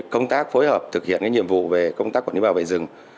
công tác phối hợp thực hiện nhiệm vụ về công tác quản lý bảo vệ rừng